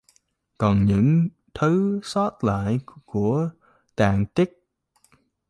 Còn những thứ sót lại của tàn tích